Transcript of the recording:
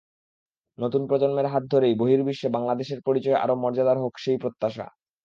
নতুন প্রজন্মের হাত ধরেই বহির্বিশ্বে বাংলাদেশের পরিচয় আরও মর্যাদার হোক সেই প্রত্যাশা।